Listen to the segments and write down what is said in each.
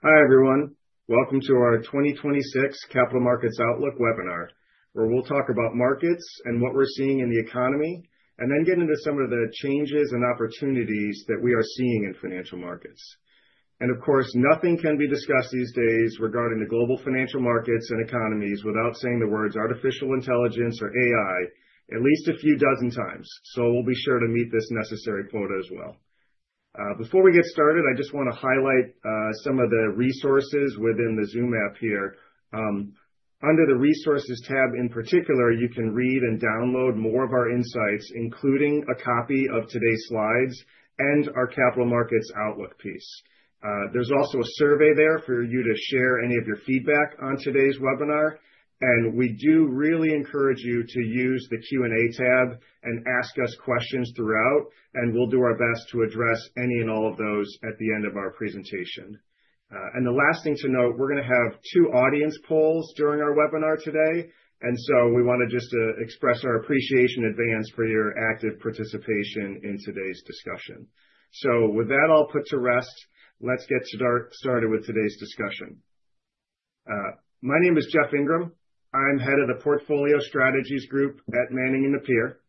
Hi everyone, welcome to our 2026 Capital Markets Outlook webinar, where we'll talk about markets and what we're seeing in the economy, and then get into some of the changes and opportunities that we are seeing in financial markets. And of course, nothing can be discussed these days regarding the global financial markets and economies without saying the words artificial intelligence or AI at least a few dozen times, so we'll be sure to meet this necessary quota as well. Before we get started, I just want to highlight some of the resources within the Zoom app here. Under the Resources tab in particular, you can read and download more of our insights, including a copy of today's slides and our Capital Markets Outlook piece. There's also a survey there for you to share any of your feedback on today's webinar, and we do really encourage you to use the Q&A tab and ask us questions throughout, and we'll do our best to address any and all of those at the end of our presentation. And the last thing to note, we're going to have two audience polls during our webinar today, and so we wanted just to express our appreciation in advance for your active participation in today's discussion. So with that all put to rest, let's get started with today's discussion. My name is Jeff Ingraham. I'm head of the Portfolio Strategies Group at Manning & Napier.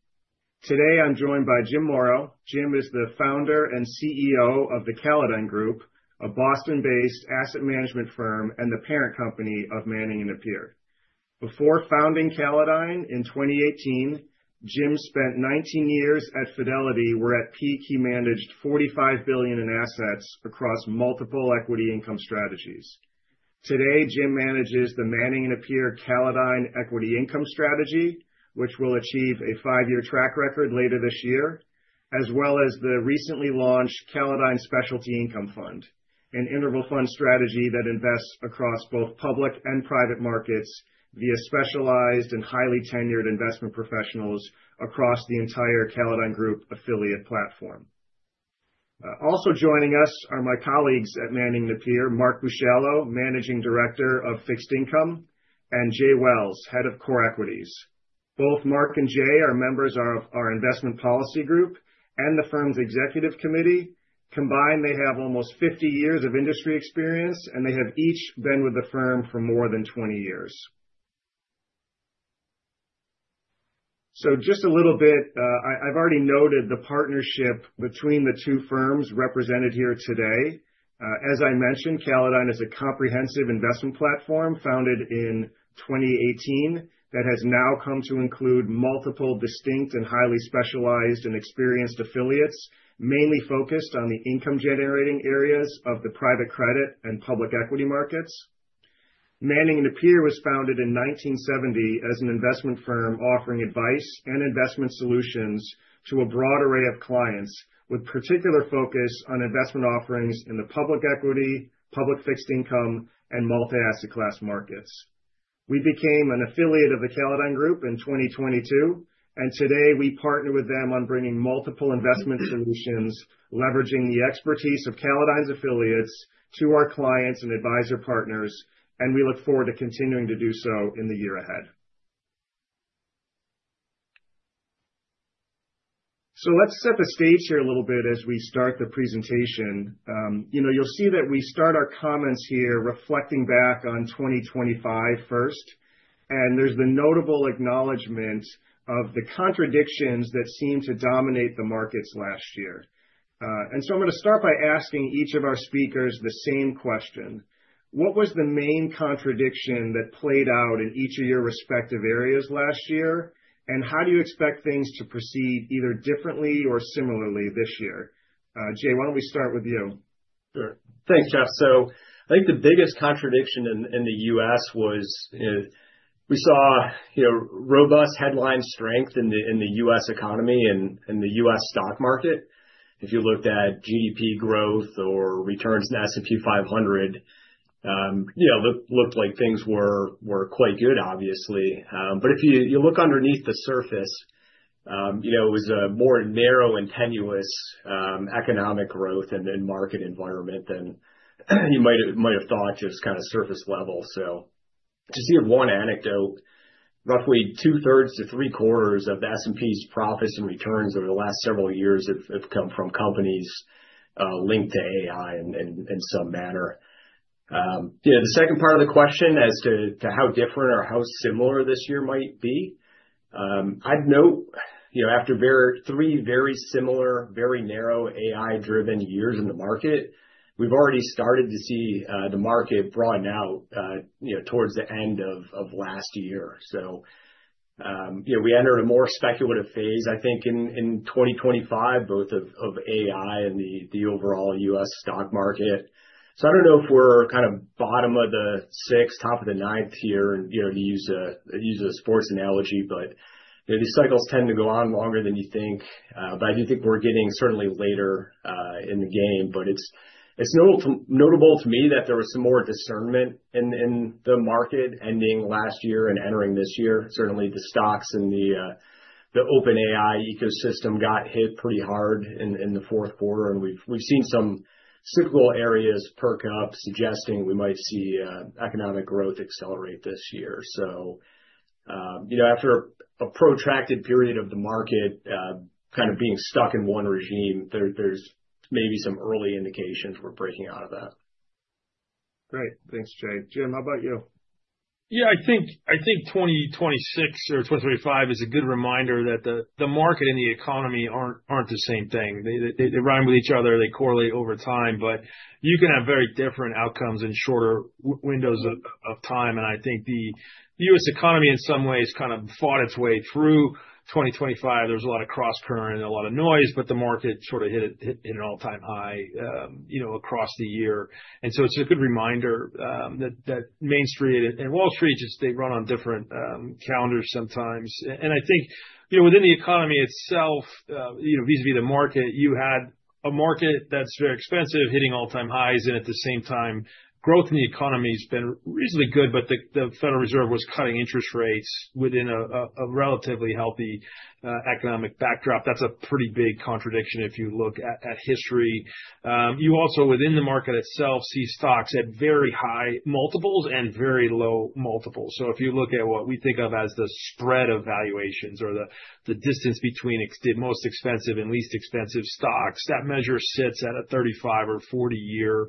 Today I'm joined by Jim Morrow. Jim is the founder and CEO of the Callodine Group, a Boston-based asset management firm and the parent company of Manning & Napier. Before founding Callodine in 2018, Jim spent 19 years at Fidelity, where at peak he managed $45 billion in assets across multiple equity income strategies. Today, Jim manages the Manning & Napier Callodine Equity Income Strategy, which will achieve a five-year track record later this year, as well as the recently launched Callodine Specialty Income Fund, an interval fund strategy that invests across both public and private markets via specialized and highly tenured investment professionals across the entire Callodine Group affiliate platform. Also joining us are my colleagues at Manning & Napier, Marc Bushallow, Managing Director of Fixed Income, and Jay Welles, Head of Core Equities. Both Marc and Jay are members of our Investment Policy Group and the firm's Executive Committee. Combined, they have almost 50 years of industry experience, and they have each been with the firm for more than 20 years. So just a little bit, I've already noted the partnership between the two firms represented here today. As I mentioned, Callodine is a comprehensive investment platform founded in 2018 that has now come to include multiple distinct and highly specialized and experienced affiliates, mainly focused on the income-generating areas of the private credit and public equity markets. Manning & Napier was founded in 1970 as an investment firm offering advice and investment solutions to a broad array of clients, with particular focus on investment offerings in the public equity, public fixed income, and multi-asset class markets. We became an affiliate of the Callodine Group in 2022, and today we partner with them on bringing multiple investment solutions, leveraging the expertise of Callodine's affiliates to our clients and advisor partners, and we look forward to continuing to do so in the year ahead. So let's set the stage here a little bit as we start the presentation. You know, you'll see that we start our comments here reflecting back on 2025 first, and there's the notable acknowledgment of the contradictions that seem to dominate the markets last year, and so I'm going to start by asking each of our speakers the same question. What was the main contradiction that played out in each of your respective areas last year, and how do you expect things to proceed either differently or similarly this year? Jay, why don't we start with you? Sure. Thanks, Jeff. So I think the biggest contradiction in the U.S. was we saw robust headline strength in the U.S. economy and the U.S. stock market. If you looked at GDP growth or returns in the S&P 500, you know, looked like things were quite good, obviously. But if you look underneath the surface, you know, it was a more narrow and tenuous economic growth and market environment than you might have thought, just kind of surface level. So, to give one anecdote, roughly two-thirds to three-quarters of the S&P's profits and returns over the last several years have come from companies linked to AI in some manner. You know, the second part of the question as to how different or how similar this year might be, I'd note, you know, after three very similar, very narrow AI-driven years in the market, we've already started to see the market broaden out towards the end of last year. So we entered a more speculative phase, I think, in 2025, both of AI and the overall U.S. stock market. So I don't know if we're kind of bottom of the sixth, top of the ninth here, you know, to use a sports analogy, but these cycles tend to go on longer than you think. But I do think we're getting certainly later in the game. But it's notable to me that there was some more discernment in the market ending last year and entering this year. Certainly, the stocks and the OpenAI ecosystem got hit pretty hard in the fourth quarter, and we've seen some cyclical areas perk up, suggesting we might see economic growth accelerate this year, so you know, after a protracted period of the market kind of being stuck in one regime, there's maybe some early indications we're breaking out of that. Great. Thanks, Jay. Jim, how about you? Yeah, I think 2026 or 2025 is a good reminder that the market and the economy aren't the same thing. They rhyme with each other. They correlate over time, but you can have very different outcomes in shorter windows of time. I think the U.S. economy in some ways kind of fought its way through 2025. There was a lot of cross-current and a lot of noise, but the market sort of hit an all-time high, you know, across the year. So it's a good reminder that Main Street and Wall Street just, they run on different calendars sometimes. I think, you know, within the economy itself, you know, vis-à-vis the market, you had a market that's very expensive hitting all-time highs, and at the same time, growth in the economy has been reasonably good, but the Federal Reserve was cutting interest rates within a relatively healthy economic backdrop. That's a pretty big contradiction if you look at history. You also, within the market itself, see stocks at very high multiples and very low multiples. If you look at what we think of as the spread of valuations or the distance between most expensive and least expensive stocks, that measure sits at a 35- or 40-year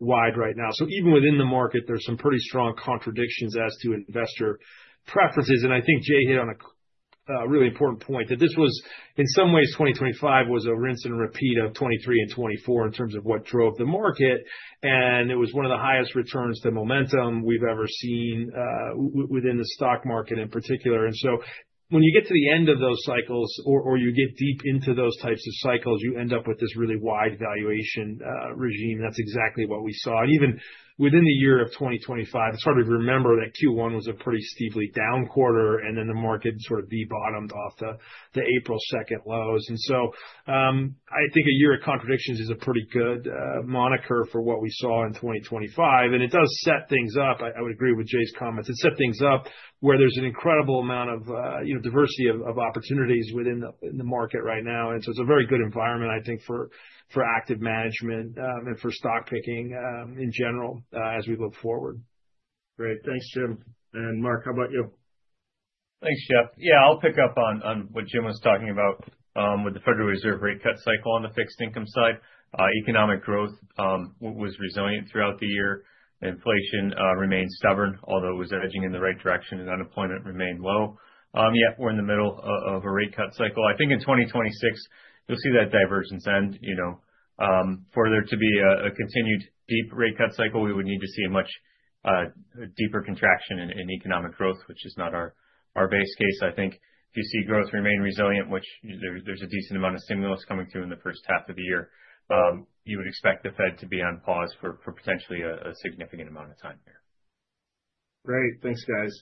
wide right now. Even within the market, there's some pretty strong contradictions as to investor preferences. And I think Jay hit on a really important point, that this was, in some ways, 2025 was a rinse and repeat of 2023 and 2024 in terms of what drove the market, and it was one of the highest returns to momentum we've ever seen within the stock market in particular. And so when you get to the end of those cycles or you get deep into those types of cycles, you end up with this really wide valuation regime. That's exactly what we saw. And even within the year of 2025, it's hard to remember that Q1 was a pretty steeply down quarter, and then the market sort of V-bottomed off the April 2nd lows. And so I think a year of contradictions is a pretty good moniker for what we saw in 2025. And it does set things up, I would agree with Jay's comments. It set things up where there's an incredible amount of, you know, diversity of opportunities within the market right now, and so it's a very good environment, I think, for active management and for stock picking in general as we look forward. Great. Thanks, Jim. And Marc how about you? Thanks, Jeff. Yeah, I'll pick up on what Jim was talking about with the Federal Reserve rate cut cycle on the fixed income side. Economic growth was resilient throughout the year. Inflation remained stubborn, although it was edging in the right direction, and unemployment remained low. Yeah, we're in the middle of a rate cut cycle. I think in 2026, you'll see that divergence end. You know, for there to be a continued deep rate cut cycle, we would need to see a much deeper contraction in economic growth, which is not our base case. I think if you see growth remain resilient, which there's a decent amount of stimulus coming through in the first half of the year, you would expect the Fed to be on pause for potentially a significant amount of time here. Great. Thanks, guys.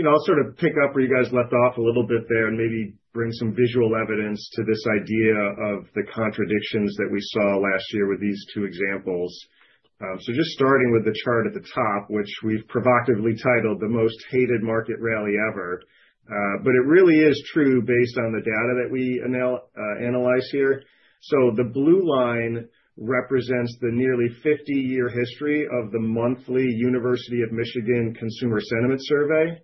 You know, I'll sort of pick up where you guys left off a little bit there and maybe bring some visual evidence to this idea of the contradictions that we saw last year with these two examples, so just starting with the chart at the top, which we've provocatively titled the most hated market rally ever, but it really is true based on the data that we analyze here, so the blue line represents the nearly 50-year history of the monthly University of Michigan Consumer Sentiment Survey,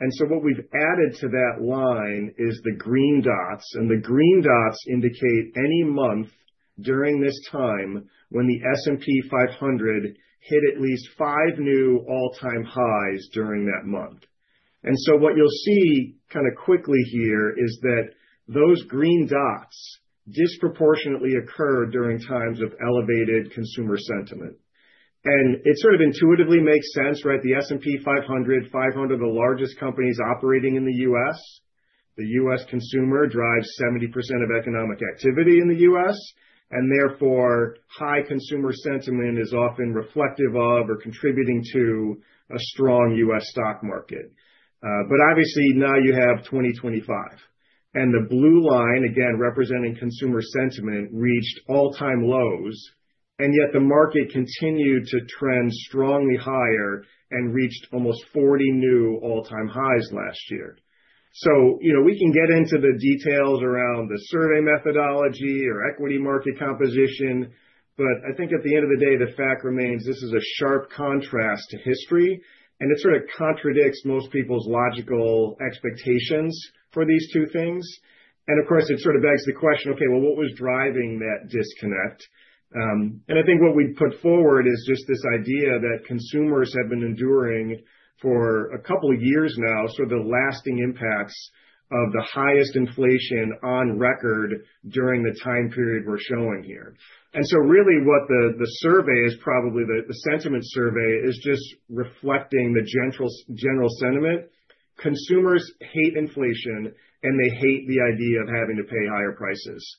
and so what we've added to that line is the green dots, and the green dots indicate any month during this time when the S&P 500 hit at least five new all-time highs during that month, and so what you'll see kind of quickly here is that those green dots disproportionately occur during times of elevated consumer sentiment. It sort of intuitively makes sense, right? The S&P 500, 500 of the largest companies operating in the U.S. The U.S. consumer drives 70% of economic activity in the U.S., and therefore high consumer sentiment is often reflective of or contributing to a strong U.S. stock market. Obviously now you have 2025, and the blue line, again, representing consumer sentiment, reached all-time lows, and yet the market continued to trend strongly higher and reached almost 40 new all-time highs last year. You know, we can get into the details around the survey methodology or equity market composition, but I think at the end of the day, the fact remains this is a sharp contrast to history, and it sort of contradicts most people's logical expectations for these two things. Of course, it sort of begs the question, okay, well, what was driving that disconnect? And I think what we'd put forward is just this idea that consumers have been enduring for a couple of years now sort of the lasting impacts of the highest inflation on record during the time period we're showing here. And so really what the survey is, probably the sentiment survey, is just reflecting the general sentiment. Consumers hate inflation, and they hate the idea of having to pay higher prices.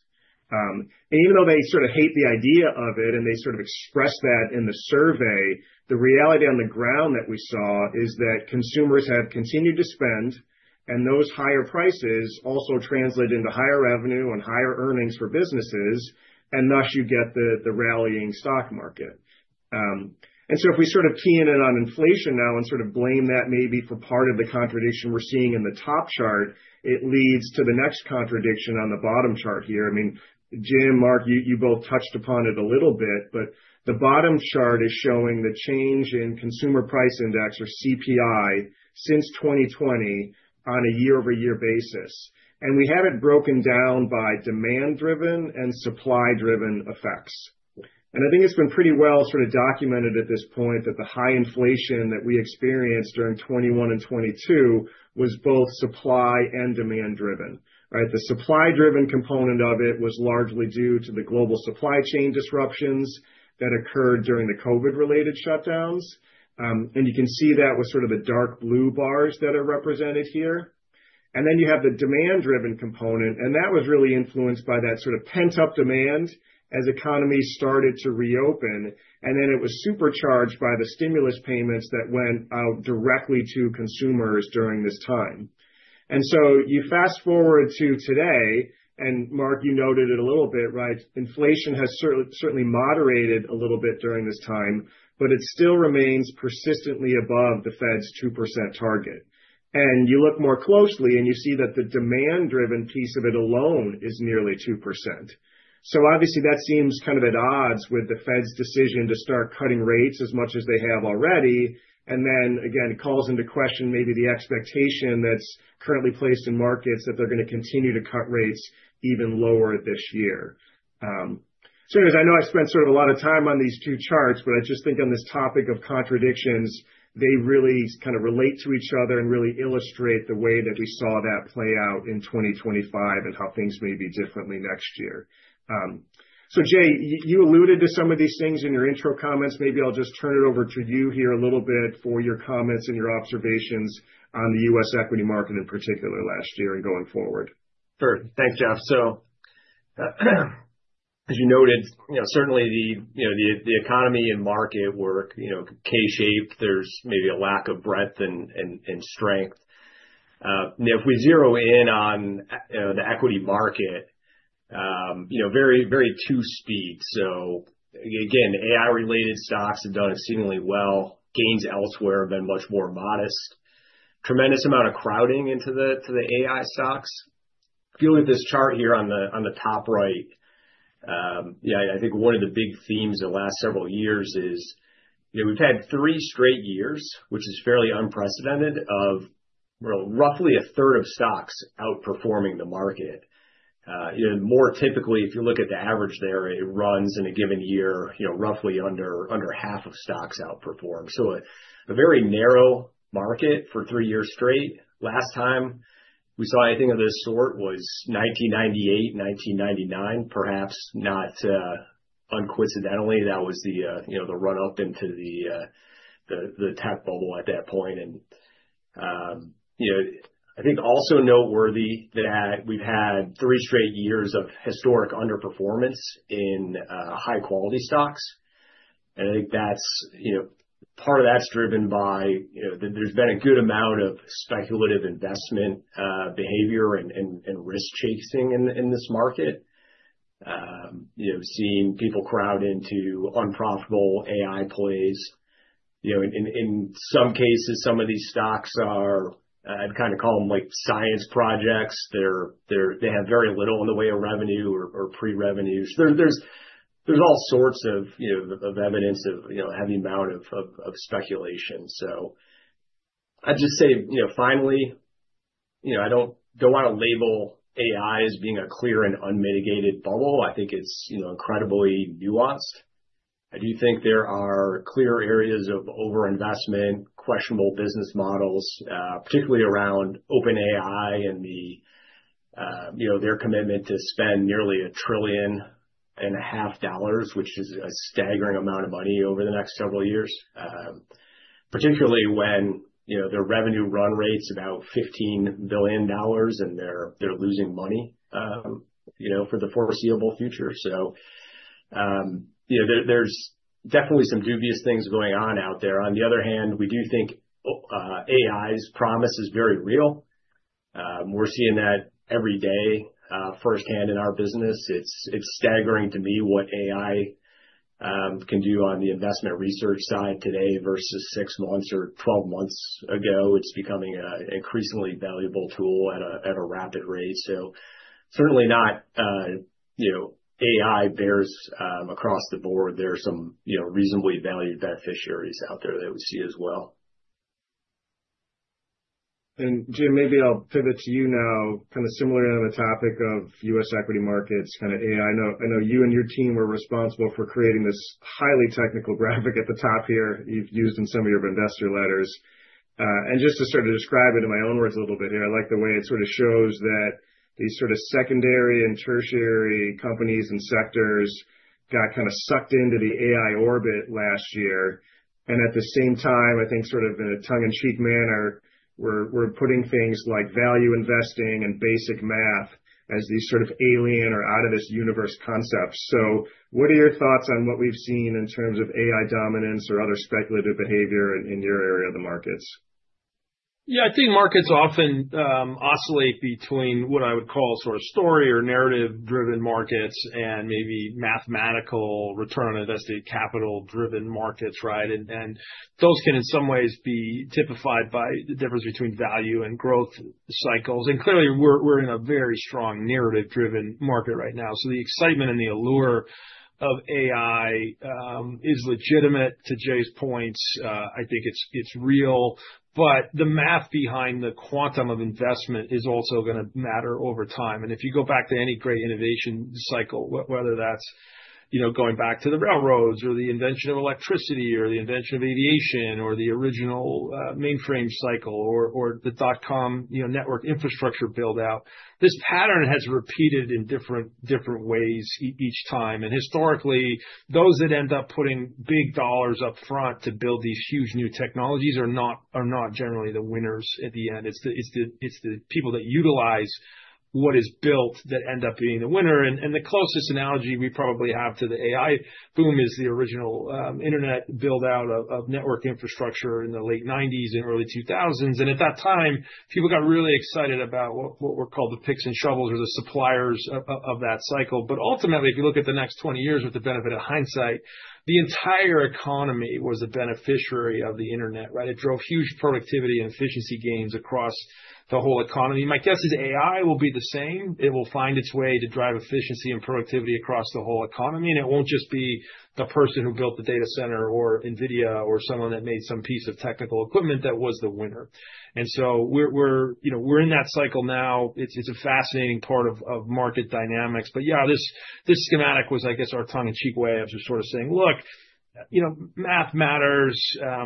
And even though they sort of hate the idea of it, and they sort of express that in the survey, the reality on the ground that we saw is that consumers have continued to spend, and those higher prices also translate into higher revenue and higher earnings for businesses, and thus you get the rallying stock market. So if we sort of key in on inflation now and sort of blame that maybe for part of the contradiction we're seeing in the top chart, it leads to the next contradiction on the bottom chart here. I mean, Jim, Marc, you both touched upon it a little bit, but the bottom chart is showing the change in Consumer Price Index or CPI since 2020 on a year-over-year basis. We have it broken down by demand-driven and supply-driven effects. I think it's been pretty well sort of documented at this point that the high inflation that we experienced during 2021 and 2022 was both supply and demand-driven, right? The supply-driven component of it was largely due to the global supply chain disruptions that occurred during the COVID-related shutdowns. You can see that with sort of the dark blue bars that are represented here. And then you have the demand-driven component, and that was really influenced by that sort of pent-up demand as economies started to reopen, and then it was supercharged by the stimulus payments that went out directly to consumers during this time. And so you fast forward to today, and Marc, you noted it a little bit, right? Inflation has certainly moderated a little bit during this time, but it still remains persistently above the Fed's 2% target. And you look more closely, and you see that the demand-driven piece of it alone is nearly 2%. So obviously that seems kind of at odds with the Fed's decision to start cutting rates as much as they have already, and then again calls into question maybe the expectation that's currently placed in markets that they're going to continue to cut rates even lower this year. Anyways, I know I spent sort of a lot of time on these two charts, but I just think on this topic of contradictions, they really kind of relate to each other and really illustrate the way that we saw that play out in 2025 and how things may be differently next year. Jay, you alluded to some of these things in your intro comments. Maybe I'll just turn it over to you here a little bit for your comments and your observations on the U.S. equity market in particular last year and going forward. Sure. Thanks, Jeff. So as you noted, you know, certainly the, you know, the economy and market were, you know, K-shaped. There's maybe a lack of breadth and strength. Now, if we zero in on the equity market, you know, very, very two-speed. So again, AI-related stocks have done exceedingly well. Gains elsewhere have been much more modest. Tremendous amount of crowding into the AI stocks. If you look at this chart here on the top right, yeah, I think one of the big themes in the last several years is, you know, we've had three straight years, which is fairly unprecedented, of roughly a third of stocks outperforming the market. You know, more typically, if you look at the average there, it runs in a given year, you know, roughly under half of stocks outperform. So a very narrow market for three years straight. Last time we saw anything of this sort was 1998, 1999, perhaps not uncoincidentally. That was the, you know, the run-up into the tech bubble at that point. And, you know, I think also noteworthy that we've had three straight years of historic underperformance in high-quality stocks. And I think that's, you know, part of that's driven by, you know, there's been a good amount of speculative investment behavior and risk-chasing in this market. You know, seeing people crowd into unprofitable AI plays. You know, in some cases, some of these stocks are, I'd kind of call them like science projects. They have very little in the way of revenue or pre-revenues. There's all sorts of, you know, evidence of, you know, heavy amount of speculation. So I'd just say, you know, finally, you know, I don't want to label AI as being a clear and unmitigated bubble. I think it's, you know, incredibly nuanced. I do think there are clear areas of over-investment, questionable business models, particularly around OpenAI and the, you know, their commitment to spend nearly $1.5 trillion, which is a staggering amount of money over the next several years, particularly when, you know, their revenue run rate's about $15 billion, and they're losing money, you know, for the foreseeable future. So, you know, there's definitely some dubious things going on out there. On the other hand, we do think AI's promise is very real. We're seeing that every day firsthand in our business. It's staggering to me what AI can do on the investment research side today versus six months or 12 months ago. It's becoming an increasingly valuable tool at a rapid rate. So certainly not, you know, AI bears across the board. There are some, you know, reasonably valued beneficiaries out there that we see as well. And Jim, maybe I'll pivot to you now, kind of similar to the topic of U.S. equity markets, kind of AI. I know you and your team were responsible for creating this highly technical graphic at the top here you've used in some of your investor letters. And just to sort of describe it in my own words a little bit here, I like the way it sort of shows that these sort of secondary and tertiary companies and sectors got kind of sucked into the AI orbit last year. And at the same time, I think sort of in a tongue-in-cheek manner, we're putting things like value investing and basic math as these sort of alien or out-of-this-universe concepts. So what are your thoughts on what we've seen in terms of AI dominance or other speculative behavior in your area of the markets? Yeah, I think markets often oscillate between what I would call sort of story or narrative-driven markets and maybe mathematical return on invested capital-driven markets, right? And those can in some ways be typified by the difference between value and growth cycles. And clearly, we're in a very strong narrative-driven market right now. So the excitement and the allure of AI is legitimate to Jay's points. I think it's real, but the math behind the quantum of investment is also going to matter over time. And if you go back to any great innovation cycle, whether that's, you know, going back to the railroads or the invention of electricity or the invention of aviation or the original mainframe cycle or the dot-com, you know, network infrastructure build-out, this pattern has repeated in different ways each time. Historically, those that end up putting big dollars upfront to build these huge new technologies are not generally the winners at the end. It's the people that utilize what is built that end up being the winner. The closest analogy we probably have to the AI boom is the original internet build-out of network infrastructure in the late 1990s and early 2000s. At that time, people got really excited about what were called the picks and shovels or the suppliers of that cycle. Ultimately, if you look at the next 20 years with the benefit of hindsight, the entire economy was a beneficiary of the internet, right? It drove huge productivity and efficiency gains across the whole economy. My guess is AI will be the same. It will find its way to drive efficiency and productivity across the whole economy, and it won't just be the person who built the data center or NVIDIA or someone that made some piece of technical equipment that was the winner, and so we're, you know, we're in that cycle now. It's a fascinating part of market dynamics, but yeah, this schematic was, I guess, our tongue-in-cheek way of sort of saying, look, you know, math matters.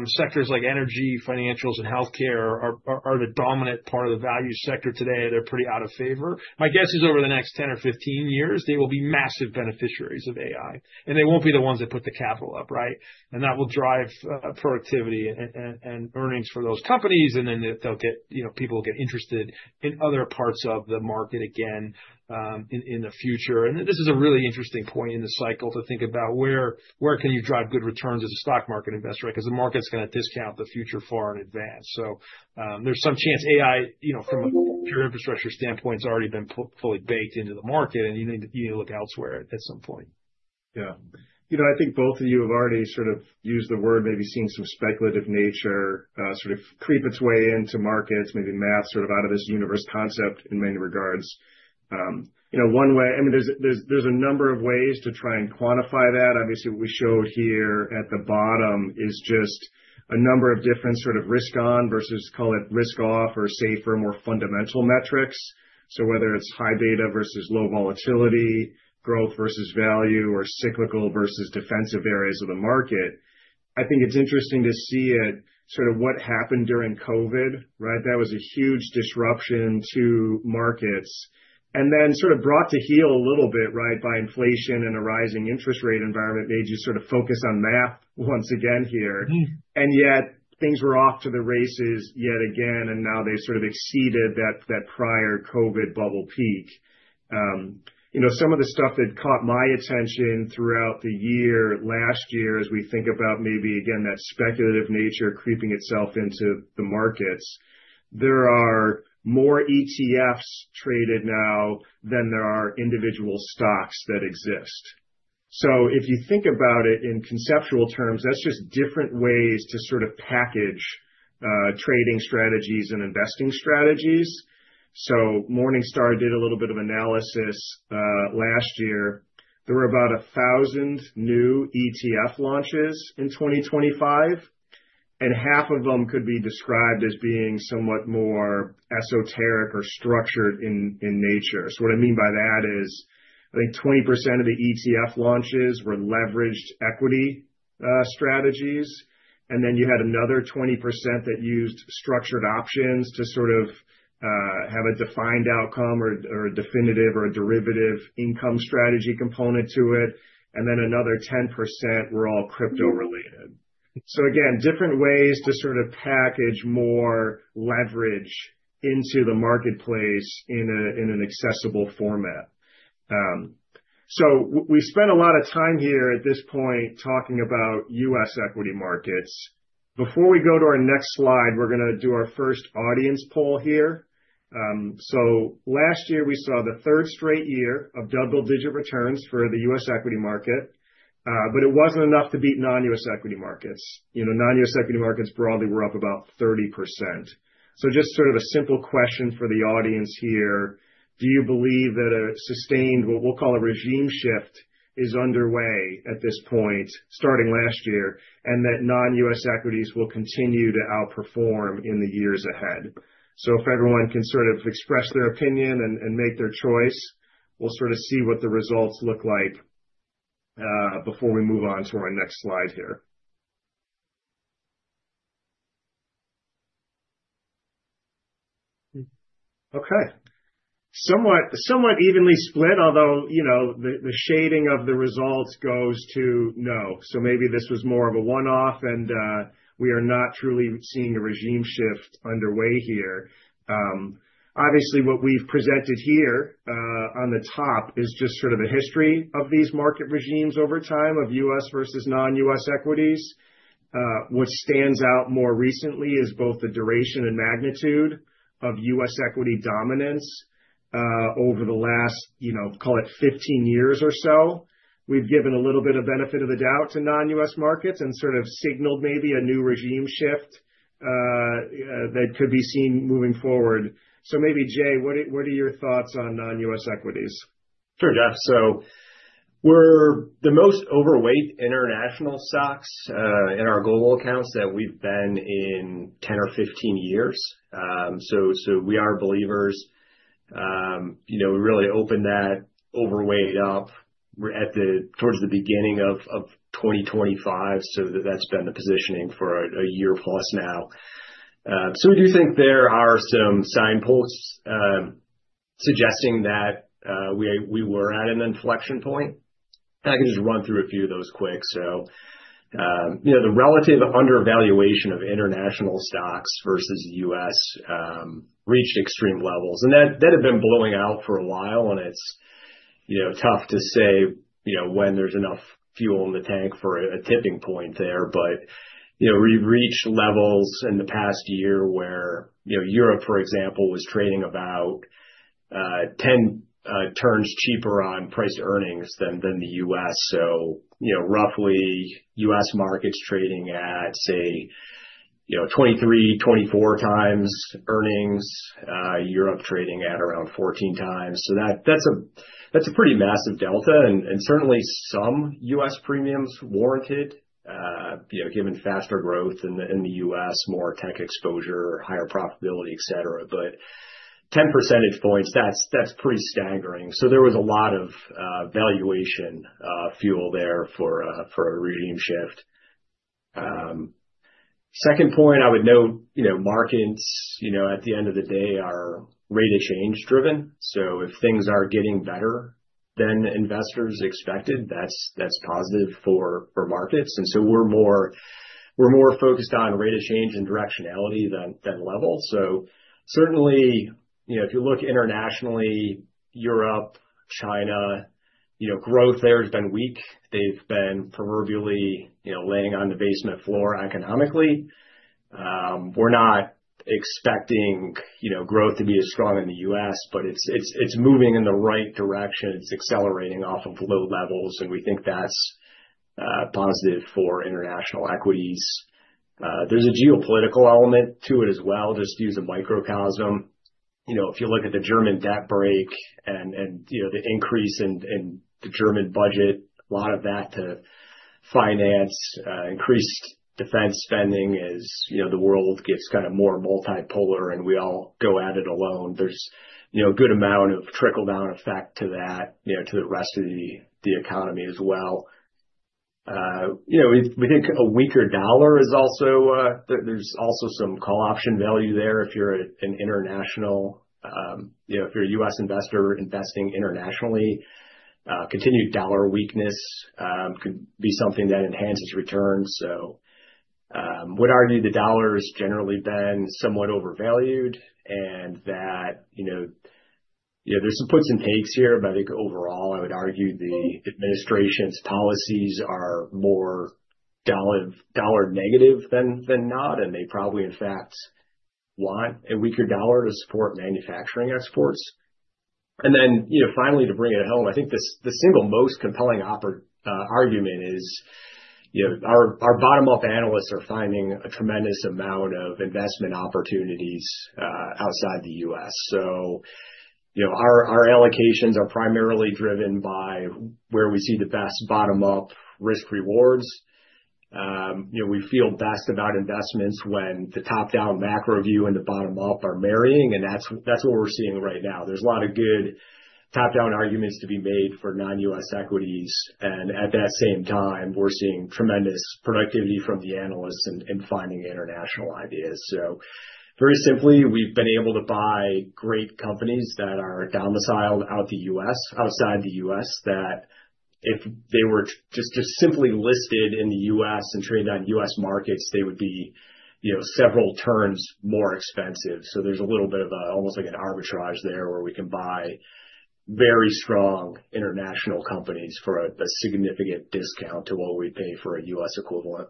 Sectors like energy, financials, and healthcare are the dominant part of the value sector today. They're pretty out of favor. My guess is over the next 10 years or 15 years, they will be massive beneficiaries of AI, and they won't be the ones that put the capital up, right? And that will drive productivity and earnings for those companies, and then they'll get, you know, people will get interested in other parts of the market again in the future. And this is a really interesting point in the cycle to think about where can you drive good returns as a stock market investor, right? Because the market's going to discount the future far in advance. So there's some chance AI, you know, from a future infrastructure standpoint, has already been fully baked into the market, and you need to look elsewhere at some point. Yeah. You know, I think both of you have already sort of used the word maybe seeing some speculative nature sort of creep its way into markets, maybe math sort of out of this universe concept in many regards. You know, one way, I mean, there's a number of ways to try and quantify that. Obviously, what we showed here at the bottom is just a number of different sort of risk-on versus call it risk-off or safer, more fundamental metrics. So whether it's high beta versus low volatility, growth versus value, or cyclical versus defensive areas of the market, I think it's interesting to see it sort of what happened during COVID, right? That was a huge disruption to markets. And then sort of brought to heel a little bit, right, by inflation and a rising interest rate environment made you sort of focus on math once again here. And yet things were off to the races yet again, and now they've sort of exceeded that prior COVID bubble peak. You know, some of the stuff that caught my attention throughout the year last year, as we think about maybe again that speculative nature creeping itself into the markets, there are more ETFs traded now than there are individual stocks that exist. So if you think about it in conceptual terms, that's just different ways to sort of package trading strategies and investing strategies. So Morningstar did a little bit of analysis last year. There were about 1,000 new ETF launches in 2025, and half of them could be described as being somewhat more esoteric or structured in nature. So what I mean by that is I think 20% of the ETF launches were leveraged equity strategies, and then you had another 20% that used structured options to sort of have a defined outcome or a definitive or a derivative income strategy component to it, and then another 10% were all crypto-related. So again, different ways to sort of package more leverage into the marketplace in an accessible format. So we spent a lot of time here at this point talking about U.S. equity markets. Before we go to our next slide, we're going to do our first audience poll here. So last year, we saw the third straight year of double-digit returns for the U.S. equity market, but it wasn't enough to beat non-U.S. equity markets. You know, non-U.S. equity markets broadly were up about 30%. So just sort of a simple question for the audience here. Do you believe that a sustained, what we'll call a regime shift, is underway at this point starting last year and that non-U.S. equities will continue to outperform in the years ahead? So if everyone can sort of express their opinion and make their choice, we'll sort of see what the results look like before we move on to our next slide here. Okay. Somewhat evenly split, although, you know, the shading of the results goes to no. So maybe this was more of a one-off, and we are not truly seeing a regime shift underway here. Obviously, what we've presented here on the top is just sort of the history of these market regimes over time of U.S. versus non-U.S. equities. What stands out more recently is both the duration and magnitude of U.S. equity dominance over the last, you know, call it 15 years or so. We've given a little bit of benefit of the doubt to non-U.S. markets and sort of signaled maybe a new regime shift that could be seen moving forward. So maybe, Jay, what are your thoughts on non-U.S. equities? Sure, Jeff. So we're the most overweight international stocks in our global accounts that we've been in 10 year or 15 years. So we are believers, you know, we really opened that overweight up towards the beginning of 2025. So that's been the positioning for a year plus now. So we do think there are some signposts suggesting that we were at an inflection point. And I can just run through a few of those quick. So, you know, the relative undervaluation of international stocks versus U.S. reached extreme levels. And that had been blowing out for a while, and it's, you know, tough to say, you know, when there's enough fuel in the tank for a tipping point there. But, you know, we reached levels in the past year where, you know, Europe, for example, was trading about 10 turns cheaper on price to earnings than the U.S. So, you know, roughly U.S. markets trading at, say, you know, 23x-24x earnings, Europe trading at around 14x. So that's a pretty massive delta. And certainly, some U.S. premiums warranted, you know, given faster growth in the U.S., more tech exposure, higher profitability, et cetera. But 10 percentage points, that's pretty staggering. So there was a lot of valuation fuel there for a regime shift. Second point, I would note, you know, markets, you know, at the end of the day are rate of change driven. So if things are getting better than investors expected, that's positive for markets. And so we're more focused on rate of change and directionality than level. So certainly, you know, if you look internationally, Europe, China, you know, growth there has been weak. They've been proverbially, you know, laying on the basement floor economically. We're not expecting, you know, growth to be as strong in the U.S., but it's moving in the right direction. It's accelerating off of low levels, and we think that's positive for international equities. There's a geopolitical element to it as well, just to use a microcosm. You know, if you look at the German debt brake and, you know, the increase in the German budget, a lot of that to finance increased defense spending as, you know, the world gets kind of more multipolar and we all go at it alone. There's, you know, a good amount of trickle-down effect to that, you know, to the rest of the economy as well. You know, we think a weaker dollar is also. There's also some call option value there if you're an international, you know, if you're a U.S. investor investing internationally. Continued dollar weakness could be something that enhances returns. So I would argue the dollar has generally been somewhat overvalued and that, you know, there's some puts and takes here, but I think overall, I would argue the administration's policies are more dollar negative than not, and they probably, in fact, want a weaker dollar to support manufacturing exports. And then, you know, finally, to bring it home, I think the single most compelling argument is, you know, our bottom-up analysts are finding a tremendous amount of investment opportunities outside the U.S. So, you know, our allocations are primarily driven by where we see the best bottom-up risk-rewards. You know, we feel best about investments when the top-down macro view and the bottom-up are marrying, and that's what we're seeing right now. There's a lot of good top-down arguments to be made for non-U.S. equities. At that same time, we're seeing tremendous productivity from the analysts in finding international ideas. So very simply, we've been able to buy great companies that are domiciled outside the U.S., outside the U.S., that if they were just simply listed in the U.S. and traded on U.S. markets, they would be, you know, several turns more expensive. So there's a little bit of a, almost like an arbitrage there where we can buy very strong international companies for a significant discount to what we pay for a U.S. equivalent.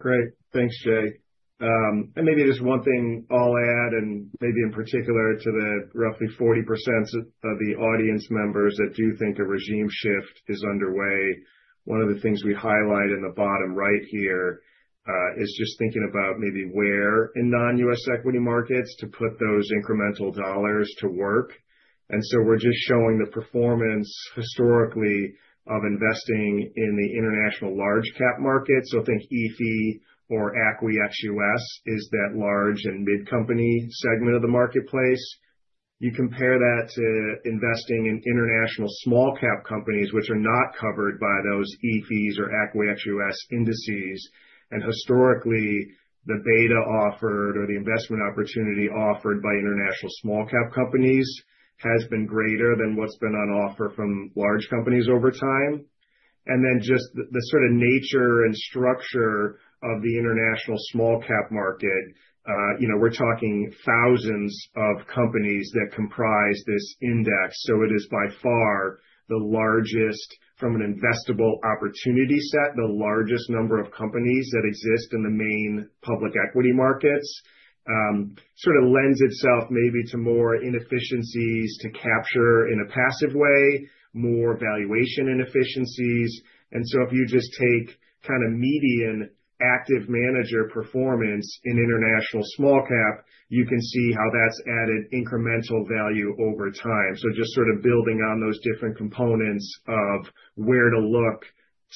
Great. Thanks, Jay. And maybe just one thing I'll add, and maybe in particular to the roughly 40% of the audience members that do think a regime shift is underway. One of the things we highlight in the bottom right here is just thinking about maybe where in non-U.S. equity markets to put those incremental dollars to work. And so we're just showing the performance historically of investing in the international large-cap markets. So I think EAFE or ACWI ex USA is that large and mid-company segment of the marketplace. You compare that to investing in international small-cap companies, which are not covered by those EAFE or ACWI ex USA indices. And historically, the beta offered or the investment opportunity offered by international small-cap companies has been greater than what's been on offer from large companies over time. And then, just the sort of nature and structure of the international small-cap market, you know, we're talking thousands of companies that comprise this index. So it is by far the largest, from an investable opportunity set, the largest number of companies that exist in the main public equity markets. Sort of lends itself maybe to more inefficiencies to capture in a passive way, more valuation inefficiencies. And so if you just take kind of median active manager performance in international small-cap, you can see how that's added incremental value over time. So just sort of building on those different components of where to look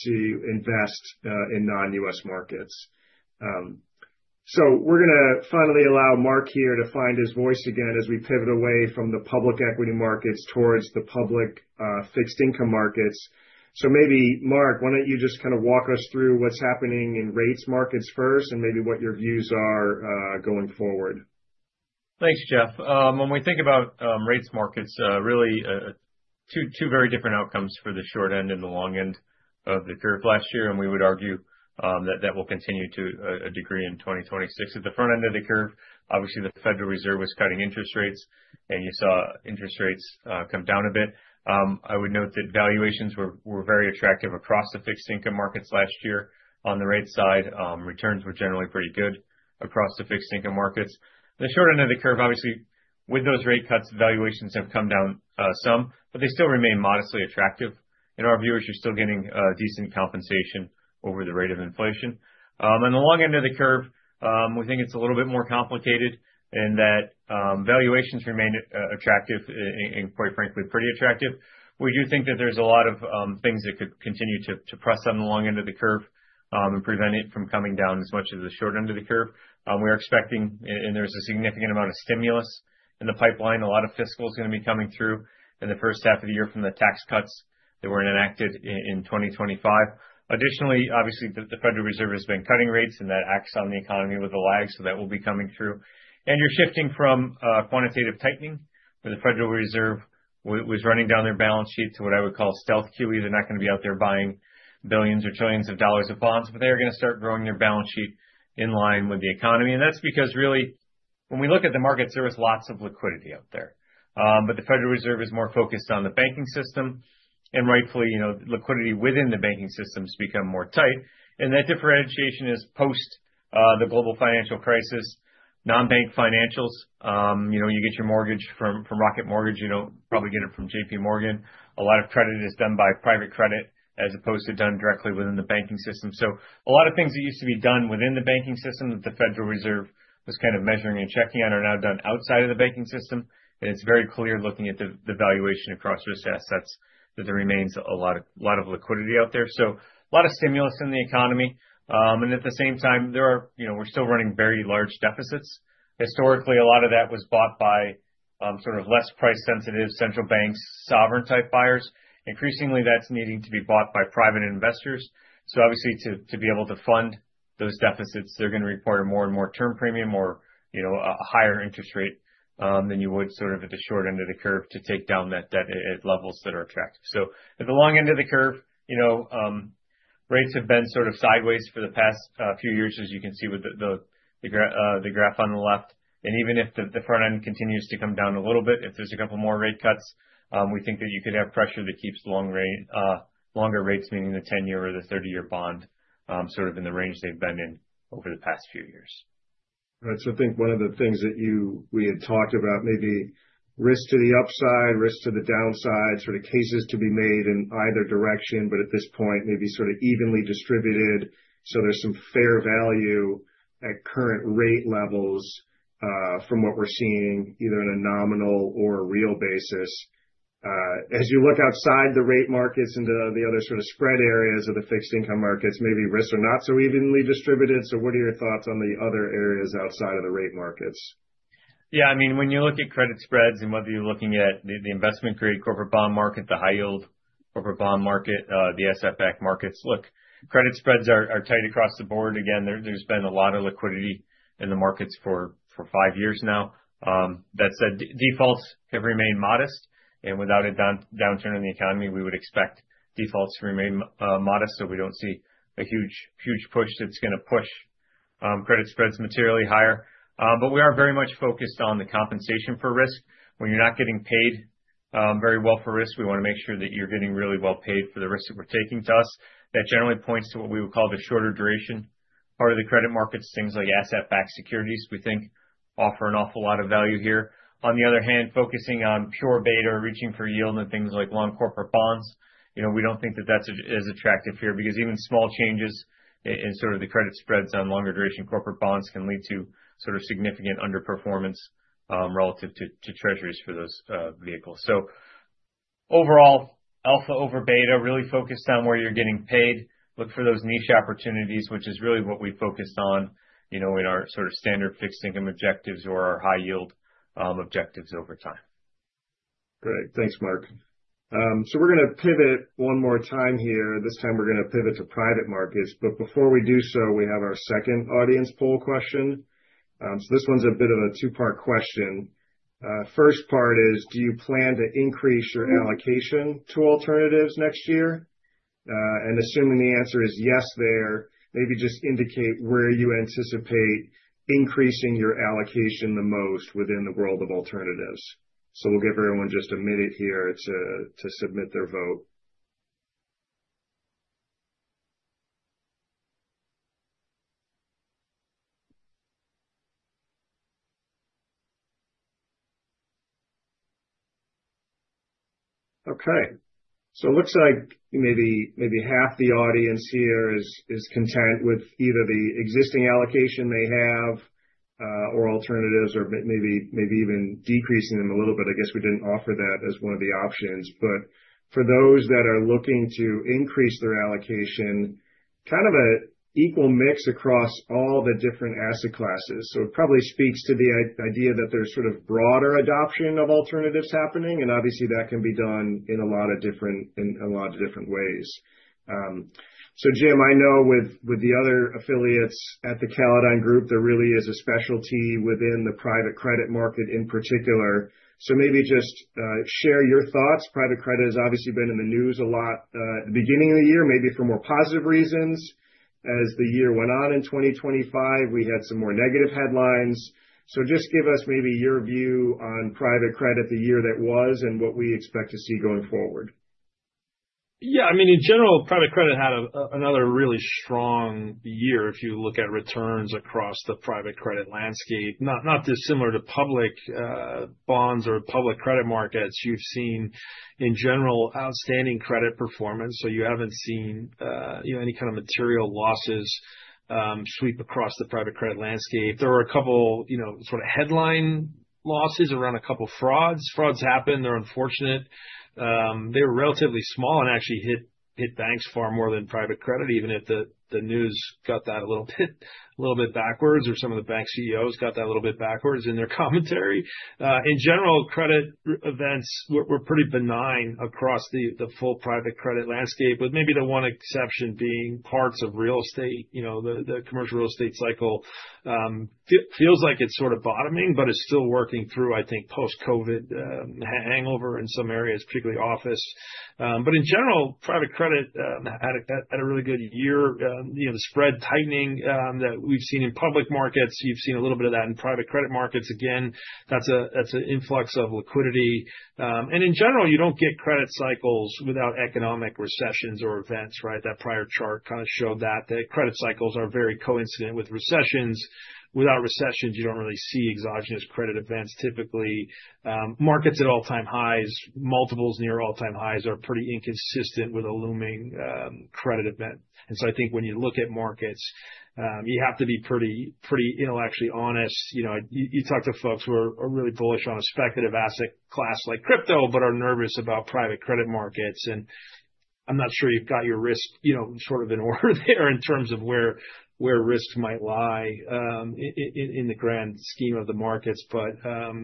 to invest in non-U.S. markets. So we're going to finally allow Marc here to find his voice again as we pivot away from the public equity markets towards the public fixed income markets. Maybe, Marc why don't you just kind of walk us through what's happening in rates markets first and maybe what your views are going forward? Thanks, Jeff. When we think about rates markets, really two very different outcomes for the short end and the long end of the curve last year, and we would argue that that will continue to a degree in 2026. At the front end of the curve, obviously, the Federal Reserve was cutting interest rates, and you saw interest rates come down a bit. I would note that valuations were very attractive across the fixed income markets last year. On the rate side, returns were generally pretty good across the fixed income markets. The short end of the curve, obviously, with those rate cuts, valuations have come down some, but they still remain modestly attractive, and our viewers are still getting decent compensation over the rate of inflation. On the long end of the curve, we think it's a little bit more complicated in that valuations remain attractive and, quite frankly, pretty attractive. We do think that there's a lot of things that could continue to press on the long end of the curve and prevent it from coming down as much as the short end of the curve. We are expecting, and there's a significant amount of stimulus in the pipeline. A lot of fiscal is going to be coming through in the first half of the year from the tax cuts that were enacted in 2025. Additionally, obviously, the Federal Reserve has been cutting rates, and that acts on the economy with a lag, so that will be coming through, and you're shifting from quantitative tightening, where the Federal Reserve was running down their balance sheet to what I would call stealth QE. They're not going to be out there buying billions or trillions of dollars of bonds, but they're going to start growing their balance sheet in line with the economy, and that's because, really, when we look at the markets, there was lots of liquidity out there. But the Federal Reserve is more focused on the banking system, and rightfully, you know, liquidity within the banking systems becomes more tight. And that differentiation is post the global financial crisis, non-bank financials. You know, you get your mortgage from Rocket Mortgage. You don't probably get it from JPMorgan. A lot of credit is done by private credit as opposed to done directly within the banking system. So a lot of things that used to be done within the banking system that the Federal Reserve was kind of measuring and checking on are now done outside of the banking system. It's very clear looking at the valuation across risk assets that there remains a lot of liquidity out there, so a lot of stimulus in the economy, and at the same time, there are, you know, we're still running very large deficits. Historically, a lot of that was bought by sort of less price-sensitive central banks, sovereign-type buyers, so increasingly, that's needing to be bought by private investors, so obviously, to be able to fund those deficits, they're going to require more and more term premium or, you know, a higher interest rate than you would sort of at the short end of the curve to take down that debt at levels that are attractive, so at the long end of the curve, you know, rates have been sort of sideways for the past few years, as you can see with the graph on the left. Even if the front end continues to come down a little bit, if there's a couple more rate cuts, we think that you could have pressure that keeps longer rates, meaning the 10-year or the 30-year bond sort of in the range they've been in over the past few years. Right. So I think one of the things that we had talked about, maybe risk to the upside, risk to the downside, sort of cases to be made in either direction, but at this point, maybe sort of evenly distributed. So there's some fair value at current rate levels from what we're seeing either on a nominal or a real basis. As you look outside the rate markets and the other sort of spread areas of the fixed income markets, maybe risks are not so evenly distributed. So what are your thoughts on the other areas outside of the rate markets? Yeah, I mean, when you look at credit spreads and whether you're looking at the investment-grade corporate bond market, the high-yield corporate bond market, the [SFAC] markets, look, credit spreads are tight across the board. Again, there's been a lot of liquidity in the markets for five years now. That said, defaults have remained modest. And without a downturn in the economy, we would expect defaults to remain modest. So we don't see a huge push that's going to push credit spreads materially higher. But we are very much focused on the compensation for risk. When you're not getting paid very well for risk, we want to make sure that you're getting really well paid for the risk that we're taking to us. That generally points to what we would call the shorter duration part of the credit markets. Things like asset-backed securities, we think, offer an awful lot of value here. On the other hand, focusing on pure beta, reaching for yield and things like long corporate bonds, you know, we don't think that that's as attractive here because even small changes in sort of the credit spreads on longer duration corporate bonds can lead to sort of significant underperformance relative to treasuries for those vehicles. So overall, alpha over beta, really focused on where you're getting paid. Look for those niche opportunities, which is really what we focused on, you know, in our sort of standard fixed income objectives or our high-yield objectives over time. Great. Thanks, Marc. So we're going to pivot one more time here. This time, we're going to pivot to private markets. But before we do so, we have our second audience poll question. So this one's a bit of a two-part question. First part is, do you plan to increase your allocation to alternatives next year? And assuming the answer is yes there, maybe just indicate where you anticipate increasing your allocation the most within the world of alternatives. So we'll give everyone just a minute here to submit their vote. Okay. So it looks like maybe half the audience here is content with either the existing allocation they have or alternatives or maybe even decreasing them a little bit. I guess we didn't offer that as one of the options. But for those that are looking to increase their allocation, kind of an equal mix across all the different asset classes. So it probably speaks to the idea that there's sort of broader adoption of alternatives happening. And obviously, that can be done in a lot of different ways. So, Jim, I know with the other affiliates at the Callodine Group, there really is a specialty within the private credit market in particular. So maybe just share your thoughts. Private credit has obviously been in the news a lot at the beginning of the year, maybe for more positive reasons. As the year went on in 2025, we had some more negative headlines. So just give us maybe your view on private credit the year that was and what we expect to see going forward. Yeah. I mean, in general, private credit had another really strong year if you look at returns across the private credit landscape. Not dissimilar to public bonds or public credit markets, you've seen, in general, outstanding credit performance. So you haven't seen any kind of material losses sweep across the private credit landscape. There were a couple sort of headline losses around a couple of frauds. Frauds happen. They're unfortunate. They were relatively small and actually hit banks far more than private credit, even if the news got that a little bit backwards or some of the bank CEOs got that a little bit backwards in their commentary. In general, credit events were pretty benign across the full private credit landscape, with maybe the one exception being parts of real estate. You know, the commercial real estate cycle feels like it's sort of bottoming, but it's still working through, I think, post-COVID hangover in some areas, particularly office. But in general, private credit had a really good year. You know, the spread tightening that we've seen in public markets, you've seen a little bit of that in private credit markets. Again, that's an influx of liquidity. And in general, you don't get credit cycles without economic recessions or events, right? That prior chart kind of showed that. The credit cycles are very coincident with recessions. Without recessions, you don't really see exogenous credit events. Typically, markets at all-time highs, multiples near all-time highs are pretty inconsistent with a looming credit event. And so I think when you look at markets, you have to be pretty intellectually honest. You know, you talk to folks who are really bullish on a speculative asset class like crypto but are nervous about private credit markets. And I'm not sure you've got your risk, you know, sort of in order there in terms of where risk might lie in the grand scheme of the markets. But,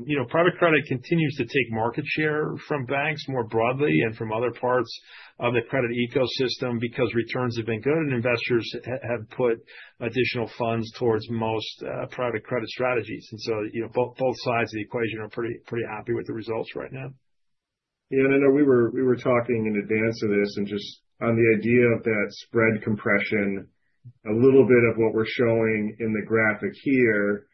you know, private credit continues to take market share from banks more broadly and from other parts of the credit ecosystem because returns have been good and investors have put additional funds towards most private credit strategies. And so, you know, both sides of the equation are pretty happy with the results right now. Yeah, and I know we were talking in advance of this and just on the idea of that spread compression, a little bit of what we're showing in the graphic here.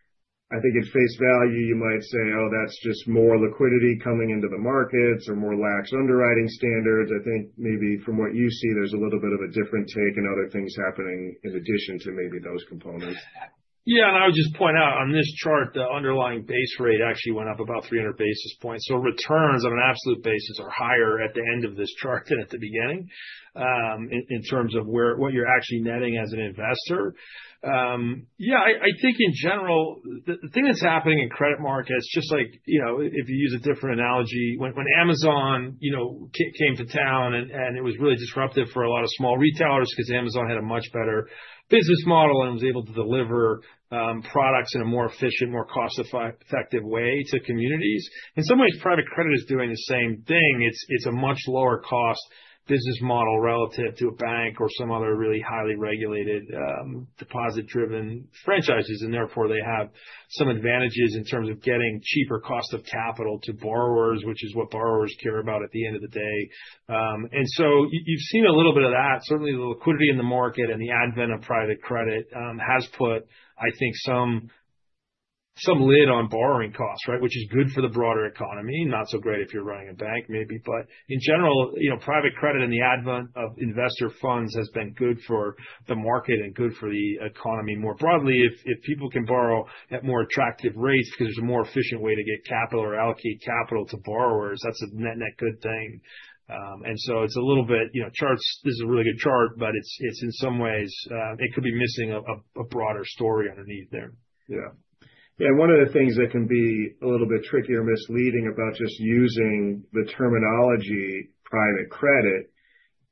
I think at face value, you might say, "Oh, that's just more liquidity coming into the markets or more lax underwriting standards." I think maybe from what you see, there's a little bit of a different take and other things happening in addition to maybe those components. Yeah, and I would just point out on this chart, the underlying base rate actually went up about 300 basis points. So returns on an absolute basis are higher at the end of this chart than at the beginning in terms of what you're actually netting as an investor. Yeah, I think in general, the thing that's happening in credit markets, just like, you know, if you use a different analogy, when Amazon, you know, came to town and it was really disruptive for a lot of small retailers because Amazon had a much better business model and was able to deliver products in a more efficient, more cost-effective way to communities. In some ways, private credit is doing the same thing. It's a much lower-cost business model relative to a bank or some other really highly regulated deposit-driven franchises. Therefore, they have some advantages in terms of getting cheaper cost of capital to borrowers, which is what borrowers care about at the end of the day. So you've seen a little bit of that. Certainly, the liquidity in the market and the advent of private credit has put, I think, some lid on borrowing costs, right, which is good for the broader economy, not so great if you're running a bank maybe. In general, you know, private credit and the advent of investor funds has been good for the market and good for the economy more broadly. If people can borrow at more attractive rates because there's a more efficient way to get capital or allocate capital to borrowers, that's a net-net good thing. And so it's a little bit, you know, charts. This is a really good chart, but it's, in some ways, it could be missing a broader story underneath there. Yeah. And one of the things that can be a little bit tricky or misleading about just using the terminology private credit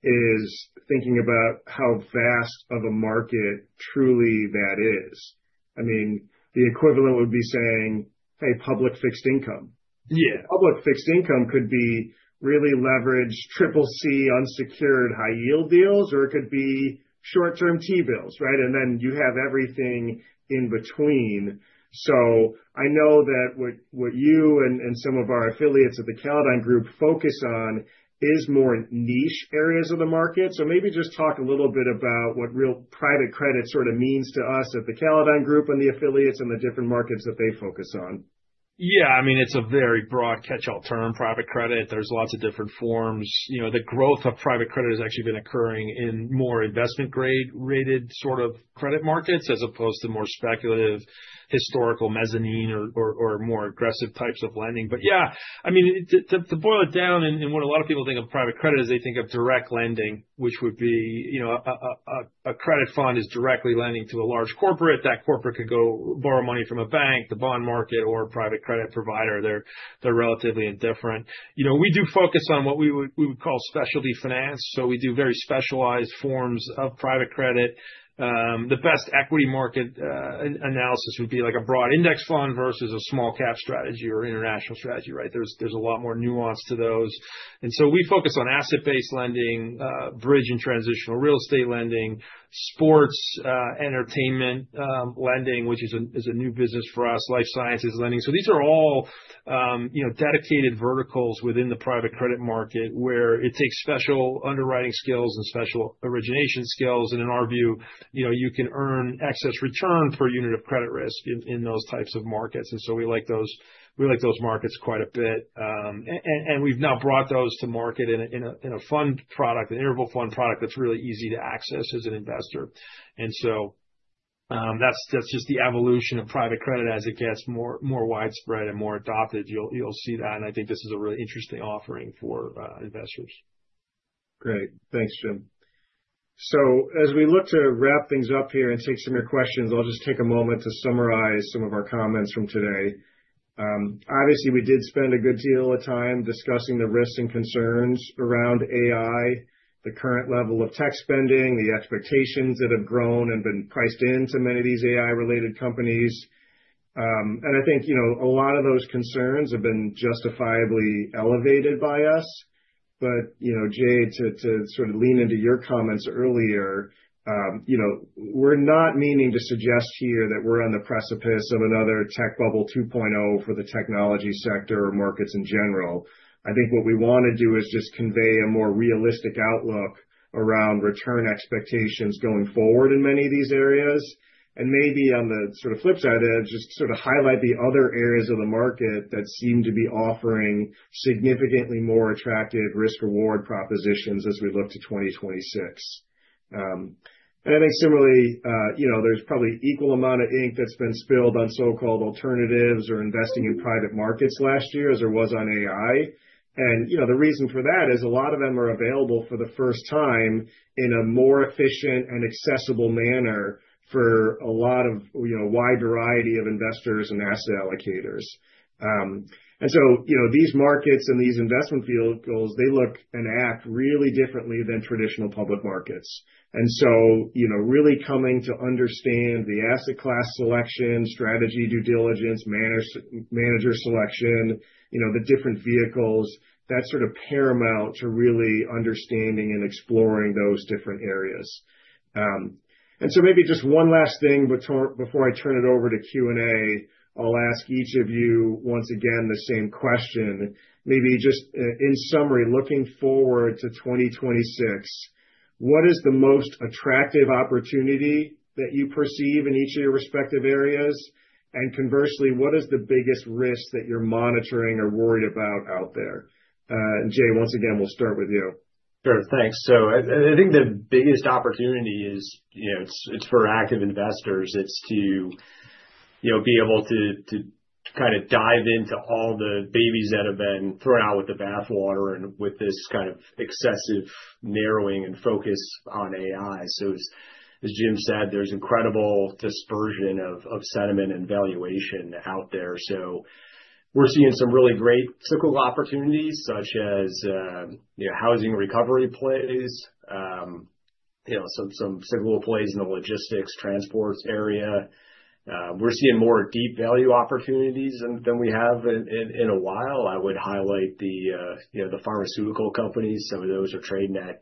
is thinking about how vast of a market truly that is. I mean, the equivalent would be saying, "Hey, public fixed income. Yeah. Public fixed income could be really leveraged CCC unsecured high-yield deals, or it could be short-term T-bills, right? And then you have everything in between. So I know that what you and some of our affiliates at the Callodine Group focus on is more niche areas of the market. So maybe just talk a little bit about what real private credit sort of means to us at the Callodine Group and the affiliates and the different markets that they focus on. Yeah. I mean, it's a very broad catch-all term, private credit. There's lots of different forms. You know, the growth of private credit has actually been occurring in more investment-grade rated sort of credit markets as opposed to more speculative historical mezzanine or more aggressive types of lending. But yeah, I mean, to boil it down, and what a lot of people think of private credit is they think of direct lending, which would be, you know, a credit fund is directly lending to a large corporate. That corporate could go borrow money from a bank, the bond market, or a private credit provider. They're relatively indifferent. You know, we do focus on what we would call specialty finance. So we do very specialized forms of private credit. The best equity market analysis would be like a broad index fund versus a small-cap strategy or international strategy, right? There's a lot more nuance to those, and so we focus on asset-based lending, bridge and transitional real estate lending, sports, entertainment lending, which is a new business for us, life sciences lending, so these are all, you know, dedicated verticals within the private credit market where it takes special underwriting skills and special origination skills, and in our view, you know, you can earn excess return per unit of credit risk in those types of markets, and so we like those markets quite a bit, and we've now brought those to market in a fund product, an interval fund product that's really easy to access as an investor, and so that's just the evolution of private credit as it gets more widespread and more adopted. You'll see that, and I think this is a really interesting offering for investors. Great. Thanks, Jim, so as we look to wrap things up here and take some of your questions, I'll just take a moment to summarize some of our comments from today. Obviously, we did spend a good deal of time discussing the risks and concerns around AI, the current level of tech spending, the expectations that have grown and been priced into many of these AI-related companies, and I think, you know, a lot of those concerns have been justifiably elevated by us, but, you know, Jay, to sort of lean into your comments earlier, you know, we're not meaning to suggest here that we're on the precipice of another tech bubble 2.0 for the technology sector or markets in general. I think what we want to do is just convey a more realistic outlook around return expectations going forward in many of these areas. And maybe on the sort of flip side edge, just sort of highlight the other areas of the market that seem to be offering significantly more attractive risk-reward propositions as we look to 2026. And I think similarly, you know, there's probably equal amount of ink that's been spilled on so-called alternatives or investing in private markets last year as there was on AI. And, you know, the reason for that is a lot of them are available for the first time in a more efficient and accessible manner for a lot of, you know, wide variety of investors and asset allocators. And so, you know, these markets and these investment vehicles, they look and act really differently than traditional public markets. And so, you know, really coming to understand the asset class selection, strategy, due diligence, manager selection, you know, the different vehicles, that's sort of paramount to really understanding and exploring those different areas. And so maybe just one last thing before I turn it over to Q&A, I'll ask each of you once again the same question. Maybe just in summary, looking forward to 2026, what is the most attractive opportunity that you perceive in each of your respective areas? And conversely, what is the biggest risk that you're monitoring or worried about out there? And Jay, once again, we'll start with you. Sure. Thanks. So I think the biggest opportunity is, you know, it's for active investors. It's to, you know, be able to kind of dive into all the babies that have been thrown out with the bathwater and with this kind of excessive narrowing and focus on AI. So as Jim said, there's incredible dispersion of sentiment and valuation out there. So we're seeing some really great cyclical opportunities such as, you know, housing recovery plays, you know, some cyclical plays in the logistics transports area. We're seeing more deep value opportunities than we have in a while. I would highlight the, you know, the pharmaceutical companies. Some of those are trading at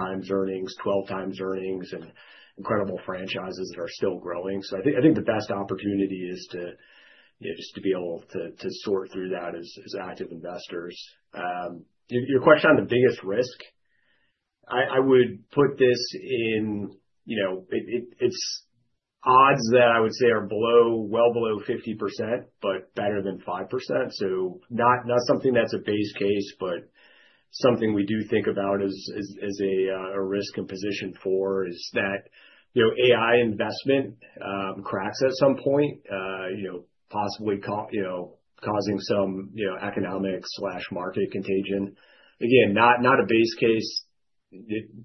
8x earnings, 12x earnings, and incredible franchises that are still growing. So I think the best opportunity is to, you know, just to be able to sort through that as active investors. Your question on the biggest risk, I would put this in, you know, it's odds that I would say are below, well below 50%, but better than 5%. So not something that's a base case, but something we do think about as a risk and position for is that, you know, AI investment cracks at some point, you know, possibly, you know, causing some, you know, economic/market contagion. Again, not a base case,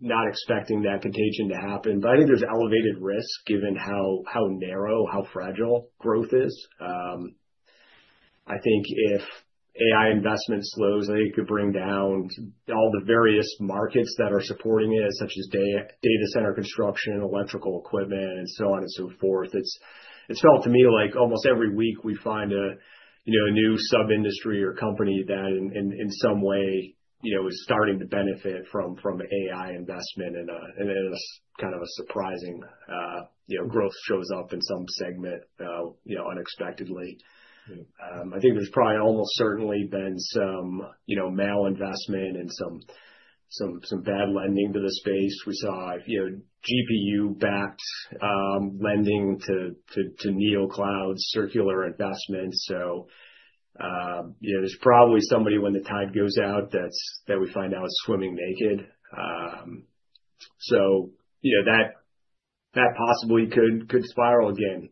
not expecting that contagion to happen. But I think there's elevated risk given how narrow, how fragile growth is. I think if AI investment slows, I think it could bring down all the various markets that are supporting it, such as data center construction, electrical equipment, and so on and so forth. It's felt to me like almost every week we find, you know, a new sub-industry or company that in some way, you know, is starting to benefit from AI investment and kind of a surprising, you know, growth shows up in some segment, you know, unexpectedly. I think there's probably almost certainly been some, you know, malinvestment and some bad lending to the space. We saw, you know, GPU-backed lending to Neocloud circular investments. So, you know, there's probably somebody when the tide goes out that we find out is swimming naked. So, you know, that possibly could spiral again.